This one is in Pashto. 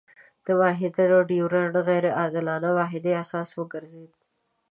دا معاهده د ډیورنډ د غیر عادلانه معاهدې اساس وګرځېده.